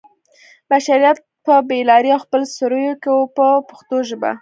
بشریت په بې لارۍ او خپل سرویو کې و په پښتو ژبه.